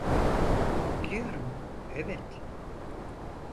Biliyorum, evet.